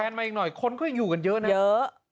มาอีกหน่อยคนก็อยู่กันเยอะนะเยอะ